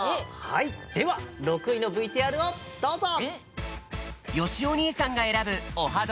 はいでは６いのＶＴＲをどうぞ！